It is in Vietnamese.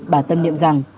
bà tâm niệm rằng